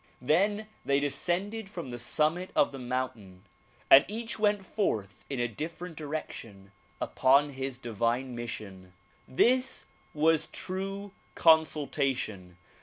Then they descended from the summit of the mountain and each went forth in a different direction upon his divine mission. This was true consultation.